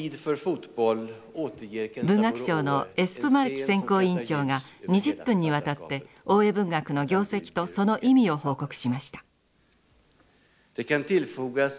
文学賞のエスプマルキ選考委員長が２０分にわたって大江文学の業績とその意味を報告しました。